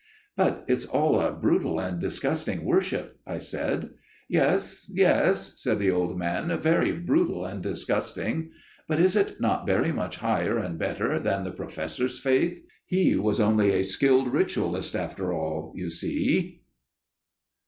"But it's all a brutal and disgusting worship," I said. "Yes, yes," said the old man, "very brutal and disgusting; but is it not very much higher and better than the Professor's faith? He was only a skilled Ritualist after all, you see."